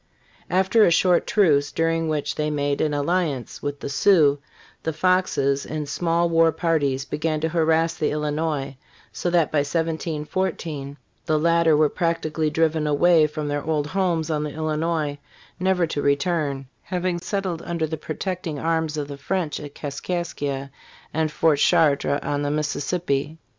After a short truce, during which they made an alliance with the Sioux, the Foxes, in small war parties, began to harrass the Illinois, so that by 1714 the latter were practically driven away from their old homes on the Illinois never to return, having settled under the protecting arms of the French at Kaskaskia nnd Fort Chartres on the Mississippi.